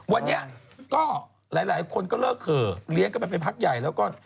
วันนี้ก็หลายคนก็เลิกเข่อเลี้ยงกันไปไปพักใหญ่แล้วก็